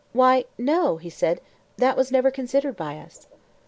Why, no, he said, that was never considered by us.